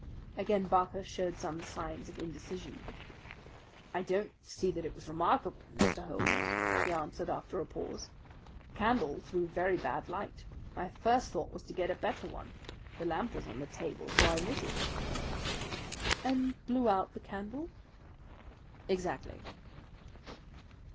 Again Barker showed some signs of indecision. "I don't see that it was remarkable, Mr. Holmes," he answered after a pause. "The candle threw a very bad light. My first thought was to get a better one. The lamp was on the table; so I lit it." "And blew out the candle?" "Exactly."